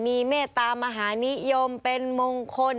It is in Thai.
มีเมตตามหานิยมเป็นมงคล